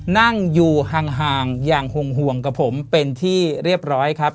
นั่งอยู่ห่างอย่างห่วงกับผมเป็นที่เรียบร้อยครับ